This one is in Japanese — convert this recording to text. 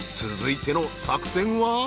続いての作戦は？］